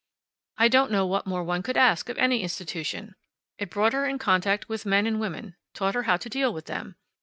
I don't know what more one could ask of any institution. It brought her in contact with men and women, taught her how to deal with them.